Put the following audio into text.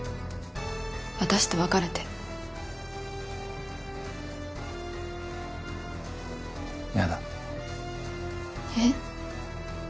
私と別れて嫌だえ？